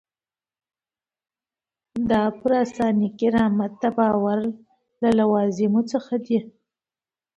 دا پر انساني کرامت د باور له لوازمو څخه دی.